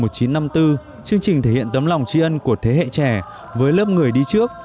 chương trình thể hiện tấm lòng tri ân của thế hệ trẻ với lớp người đi trước